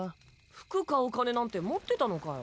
服買う金なんて持ってたのかよ。